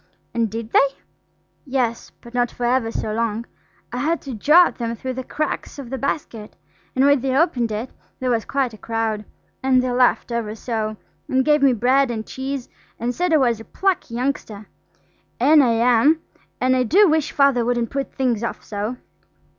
'" "And did they?" "Yes, but not for ever so long, I had to jaw at them through the cracks of the basket. And when they opened it there was quite a crowd, and they laughed ever so, and gave me bread and cheese, and said I was a plucky youngster–and I am, and I do wish Father wouldn't put things off so.